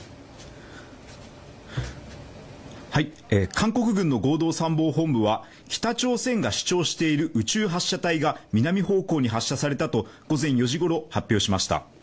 韓国軍の合同参謀本部は北朝鮮が主張している宇宙発射体が南方向に午前４時ごろに発射されたと午前４時ごろ発表しました。